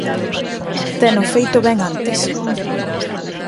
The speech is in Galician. Teno feito ben antes